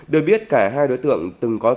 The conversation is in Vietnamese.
được biết cả hai đối tượng từng có tù